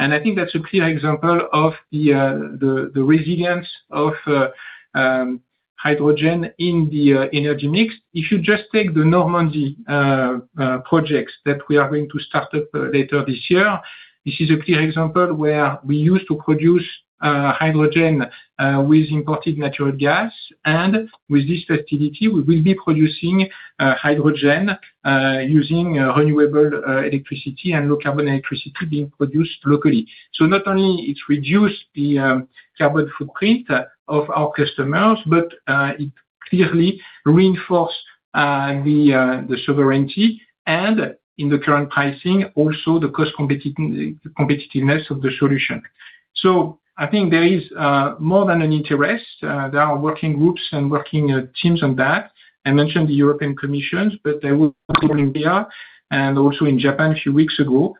I think that's a clear example of the resilience of hydrogen in the energy mix. If you just take the Normandy projects that we are going to start up later this year, this is a clear example where we used to produce hydrogen with imported natural gas. With this facility, we will be producing hydrogen using renewable electricity and low carbon electricity being produced locally. Not only it reduce the carbon footprint of our customers, but it clearly reinforce the sovereignty and in the current pricing, also the cost competitiveness of the solution. I think there is more than an interest. There are working groups and working teams on that. I mentioned the European Commission, but there were also in Japan a few weeks ago,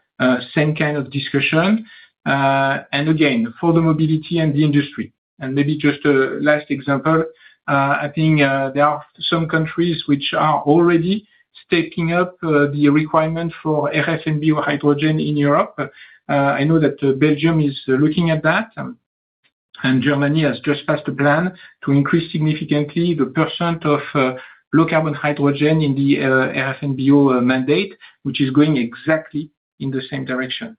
same kind of discussion, and again, for the mobility and the industry. Maybe just a last example, I think, there are some countries which are already stepping up, the requirement for RFNBO hydrogen in Europe. I know that Belgium is looking at that, and Germany has just passed a plan to increase significantly the percent of low carbon hydrogen in the RFNBO mandate, which is going exactly in the same direction.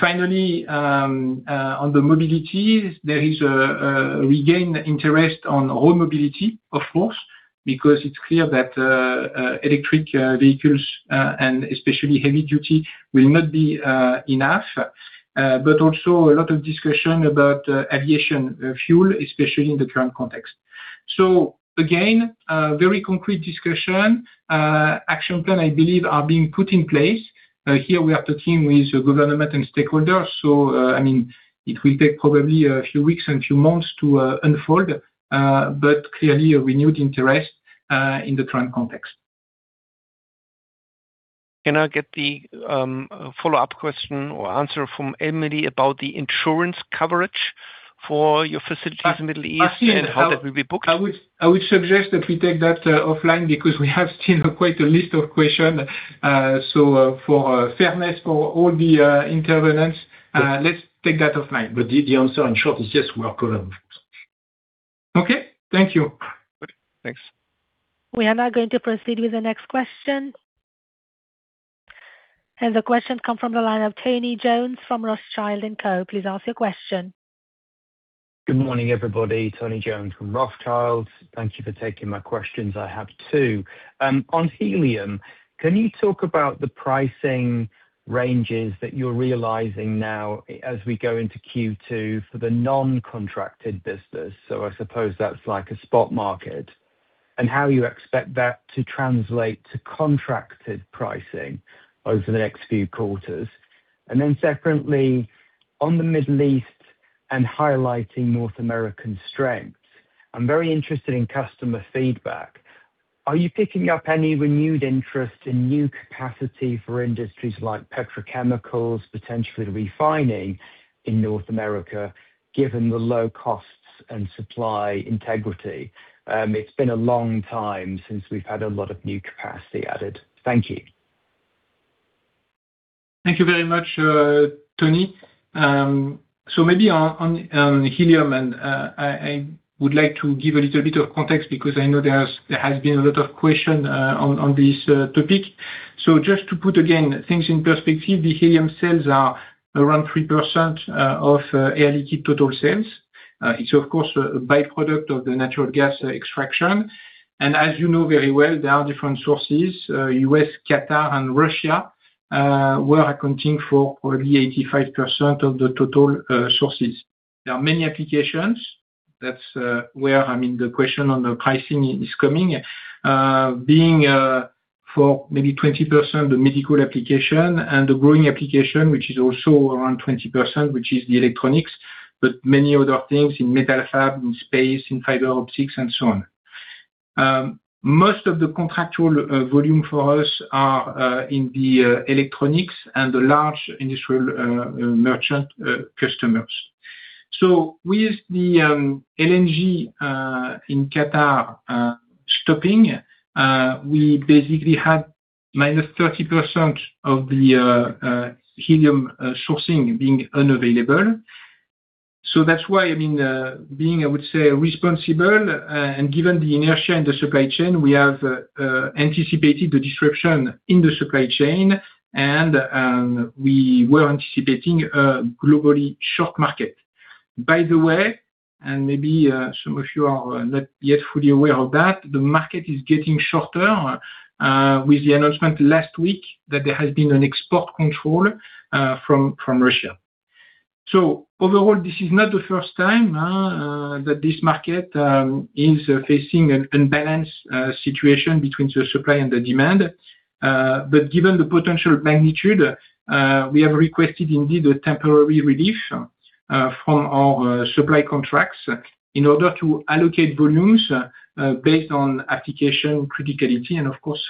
Finally, on the mobility, there is a regained interest in all mobility, of course, because it's clear that electric vehicles and especially heavy duty will not be enough. Also a lot of discussion about aviation fuel, especially in the current context. Again, a very concrete discussion. Action plan, I believe are being put in place. Here we are talking with government and stakeholders. I mean, it will take probably a few weeks and few months to unfold, but clearly a renewed interest in the current context. Can I get the follow-up question or answer from Emilie about the insurance coverage for your facilities in Middle East and how that will be booked? I would suggest that we take that offline because we have still quite a list of questions. For fairness for all the interveners, let's take that offline. The answer in short is yes, we are covered. Okay. Thank you. Thanks. We are now going to proceed with the next question. The question come from the line of Tony Jones from Rothschild & Co. Please ask your question. Good morning, everybody. Tony Jones from Rothschild. Thank you for taking my questions. I have two. On helium, can you talk about the pricing ranges that you're realizing now as we go into Q2 for the non-contracted business? I suppose that's like a spot market. How you expect that to translate to contracted pricing over the next few quarters. Separately, on the Middle East and highlighting North American strength, I'm very interested in customer feedback. Are you picking up any renewed interest in new capacity for industries like petrochemicals, potentially refining in North America, given the low costs and supply integrity? It's been a long time since we've had a lot of new capacity added. Thank you. Thank you very much, Tony. Maybe on helium, and I would like to give a little bit of context because I know there has been a lot of question on this topic. Just to put again, things in perspective, the helium sales are around 3% of Air Liquide total sales. It's of course a by-product of the natural gas extraction. As you know very well, there are different sources, U.S., Qatar and Russia, were accounting for probably 85% of the total sources. There are many applications. That's where, I mean, the question on the pricing is coming for maybe 20% the medical application and the growing application, which is also around 20%, which is the Electronics, but many other things in metal fab, in space, in fiber optics and so on. Most of the contractual volume for us are in the Electronics and the Large Industry, Industrial Merchant customers. With the LNG in Qatar stopping, we basically had -30% of the helium sourcing being unavailable. That's why, I mean, I would say, responsible, and given the inertia in the supply chain, we have anticipated the disruption in the supply chain and we were anticipating a globally short market. By the way, maybe some of you are not yet fully aware of that, the market is getting shorter with the announcement last week that there has been an export control from Russia. Overall, this is not the first time that this market is facing an unbalanced situation between the supply and the demand. Given the potential magnitude, we have requested indeed a temporary relief from our supply contracts in order to allocate volumes based on application criticality and of course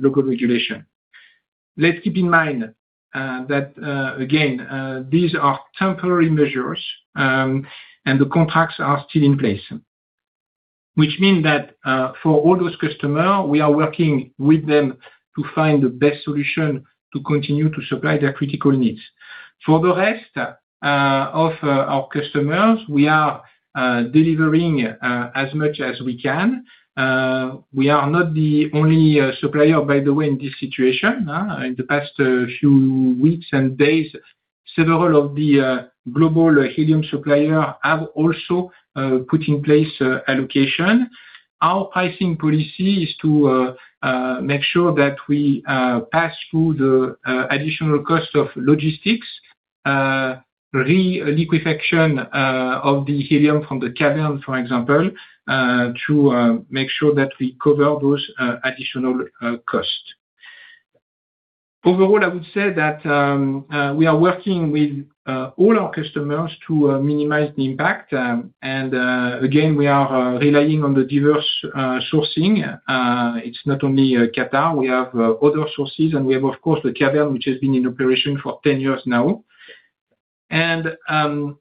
local regulation. Let's keep in mind that again these are temporary measures and the contracts are still in place. Which means that for all those customers we are working with them to find the best solution to continue to supply their critical needs. For the rest of our customers, we are delivering as much as we can. We are not the only supplier, by the way, in this situation. In the past few weeks and days, several of the global helium suppliers have also put in place allocation. Our pricing policy is to make sure that we pass through the additional cost of logistics, re-liquefaction of the helium from the cavern, for example, to make sure that we cover those additional costs. Overall, I would say that we are working with all our customers to minimize the impact. Again, we are relying on the diverse sourcing. It's not only Qatar. We have other sources, and we have, of course, the cavern, which has been in operation for 10 years now.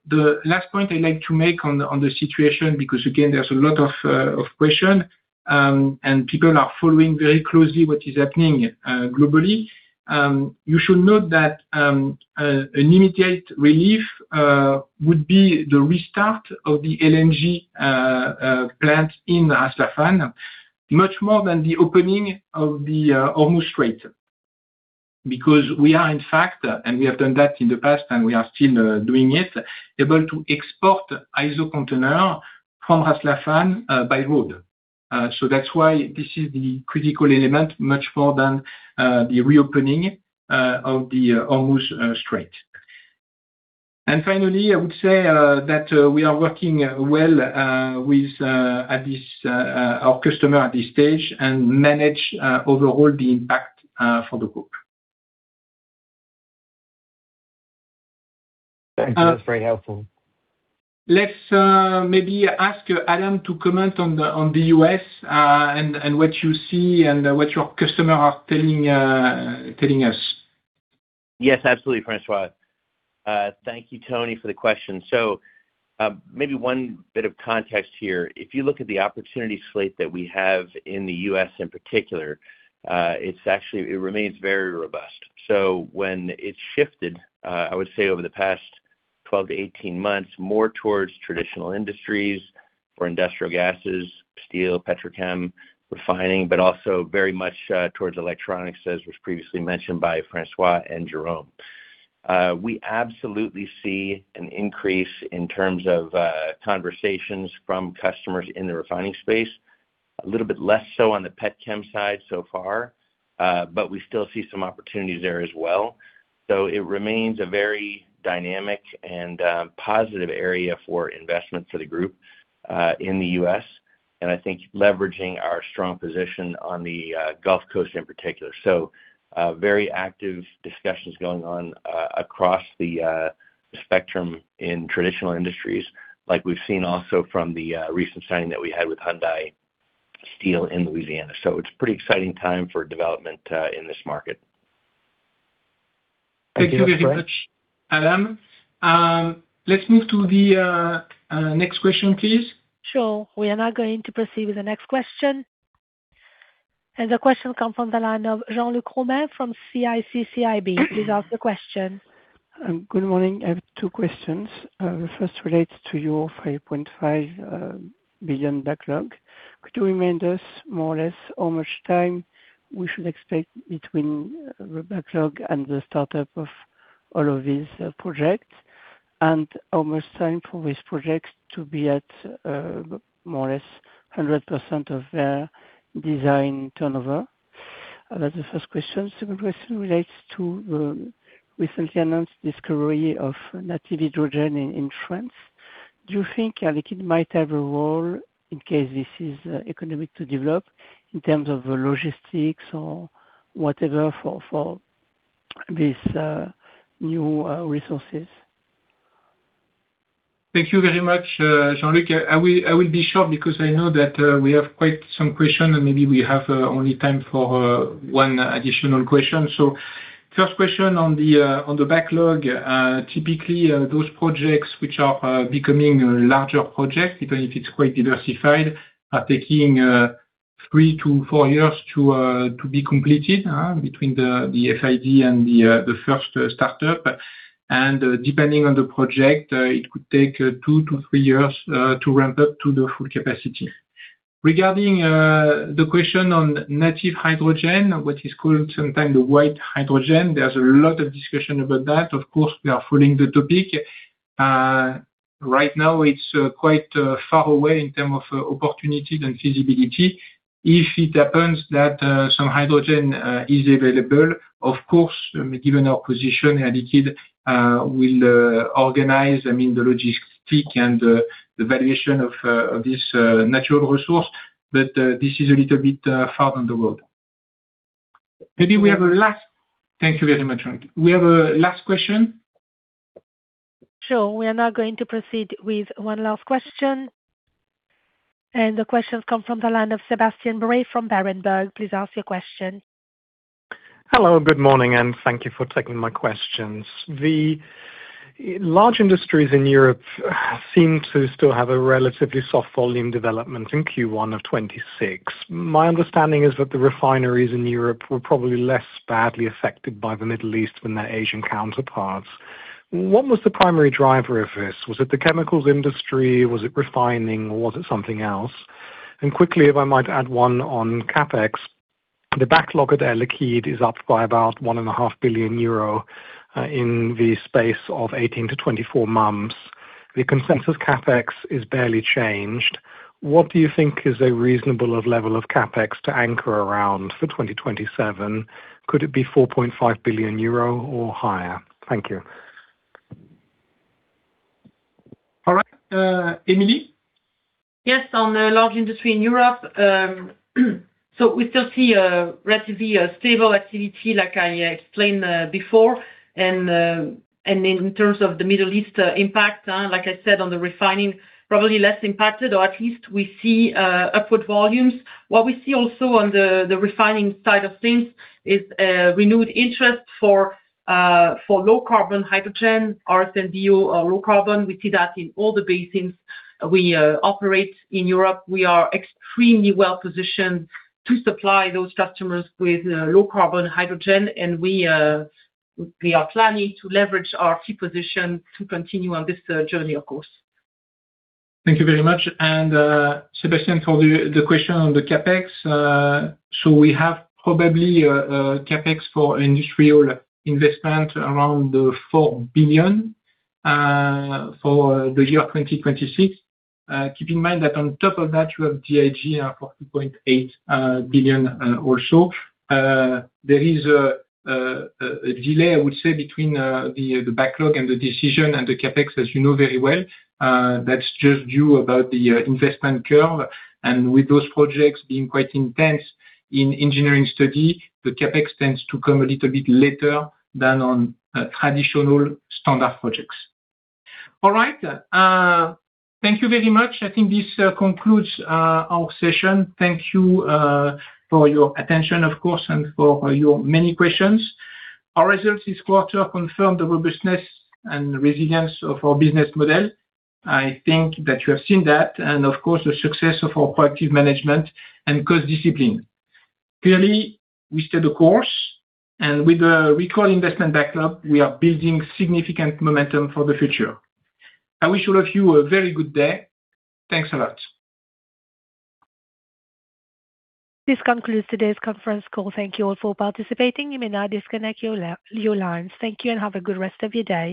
The last point I'd like to make on the situation, because again, there's a lot of question, and people are following very closely what is happening globally. You should note that an immediate relief would be the restart of the LNG plant in Ras Laffan, much more than the opening of the Hormuz Strait. Because we are in fact, and we have done that in the past and we are still doing it, able to export ISO container from Ras Laffan by road. So that's why this is the critical element, much more than the reopening of the Hormuz Strait. Finally, I would say that we are working well with our customer at this stage and manage overall the impact for the group. Thanks. That's very helpful. Let's maybe ask Adam to comment on the U.S. and what you see and what your customers are telling us. Yes, absolutely, François. Thank you, Tony, for the question. Maybe one bit of context here. If you look at the opportunity slate that we have in the U.S. in particular, it's actually it remains very robust. When it shifted, I would say over the past 12-18 months, more towards traditional industries for industrial gases, steel, petrochem, refining, but also very much towards Electronics, as was previously mentioned by François and Jérôme. We absolutely see an increase in terms of conversations from customers in the refining space. A little bit less so on the petchem side so far, but we still see some opportunities there as well. It remains a very dynamic and positive area for investment for the group in the U.S., and I think leveraging our strong position on the Gulf Coast in particular. Very active discussions going on across the spectrum in traditional industries, like we've seen also from the recent signing that we had with Hyundai Steel in Louisiana. It's pretty exciting time for development in this market. Thank you very much, Adam. Let's move to the next question, please. Sure. We are now going to proceed with the next question. The question comes from the line of Jean-Luc Romain from CIC Market Solutions. Please ask the question. Good morning. I have two questions. The first relates to your 5.5 billion backlog. Could you remind us more or less how much time we should expect between the backlog and the start of all of these projects, and how much time for these projects to be at more or less 100% of their design turnover? That's the first question. Second question relates to the recently announced discovery of native hydrogen in France. Do you think Air Liquide might have a role in case this is economic to develop in terms of logistics or whatever for these new resources? Thank you very much, Jean-Luc. I will be short because I know that we have quite some question, and maybe we have only time for one additional question. First question on the backlog. Typically, those projects which are becoming larger projects, even if it's quite diversified, are taking 3-4 years to be completed between the FID and the first startup. Depending on the project, it could take 2-3 years to ramp up to the full capacity. Regarding the question on native hydrogen, what is called sometimes the white hydrogen, there's a lot of discussion about that. Of course, we are following the topic. Right now, it's quite far away in terms of opportunity from feasibility. If it happens that some hydrogen is available, of course, given our position, Air Liquide will organize, I mean, the logistics and the valuation of this natural resource. This is a little bit far on the road. Thank you very much, Jean-Luc. We have a last question. Sure. We are now going to proceed with one last question. The question comes from the line of Sebastian Bray from Berenberg. Please ask your question. Hello, good morning, and thank you for taking my questions. The Large Industry in Europe seems to still have a relatively soft volume development in Q1 2026. My understanding is that the refineries in Europe were probably less badly affected by the Middle East than their Asian counterparts. What was the primary driver of this? Was it the chemicals industry? Was it refining, or was it something else? Quickly, if I might add one on CapEx. The backlog at Air Liquide is up by about 1.5 billion euro in the space of 18-24 months. The consensus CapEx is barely changed. What do you think is a reasonable level of CapEx to anchor around for 2027? Could it be 4.5 billion euro or higher? Thank you. All right. Emilie? Yes. On the Large Industry in Europe, so we still see a relatively stable activity like I explained before. In terms of the Middle East impact, like I said on the refining, probably less impacted or at least we see upward volumes. What we see also on the refining side of things is renewed interest for low carbon hydrogen. RNG and SAF are low carbon. We see that in all the basins we operate in Europe. We are extremely well positioned to supply those customers with low carbon hydrogen, and we are planning to leverage our key position to continue on this journey, of course. Thank you very much. Sebastian, for the question on the CapEx. So we have probably a CapEx for industrial investment around 4 billion for the year 2026. Keep in mind that on top of that, you have DIG, fourteen point eight billion also. There is a delay, I would say, between the backlog and the decision and the CapEx, as you know very well. That's just due about the investment curve. With those projects being quite intense in engineering study, the CapEx tends to come a little bit later than on traditional standard projects. All right. Thank you very much. I think this concludes our session. Thank you for your attention, of course, and for your many questions. Our results this quarter confirm the robustness and resilience of our business model. I think that you have seen that, and of course, the success of our proactive management and cost discipline. Clearly, we stay the course, and with a record investment backlog, we are building significant momentum for the future. I wish all of you a very good day. Thanks a lot. This concludes today's conference call. Thank you all for participating. You may now disconnect your lines. Thank you and have a good rest of your day.